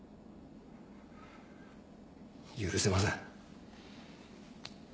許せません。